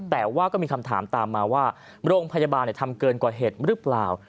แต่ว่าก็มีคำถามตามมาว่าโรงพยาบาลทำเกินกว่าเหตุหรือเปล่า